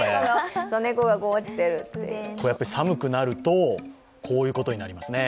寒くなると、こういうことになりますね。